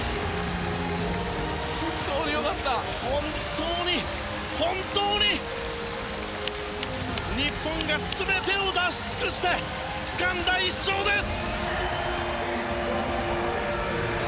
本当に、本当に日本が全てを出し尽くしてつかんだ１勝です！